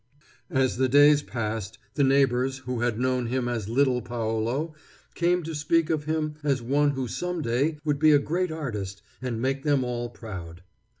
As the days passed, the neighbors who had known him as little Paolo came to speak of him as one who some day would be a great artist and make them all proud.